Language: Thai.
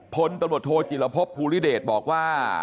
พลตำรวจโทจิลภพภูริเดชบอกว่า